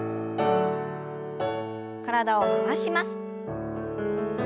体を回します。